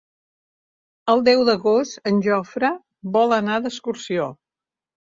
El deu d'agost en Jofre vol anar d'excursió.